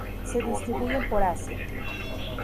Se distribuyen por Asia